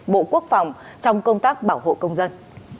bộ quốc phòng trong công tác bảo hộ công dân